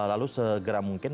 lalu segera mungkin